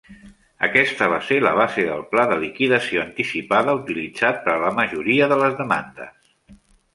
Aquesta va ser la base del pla de liquidació anticipada utilitzat per a la majoria de les demandes.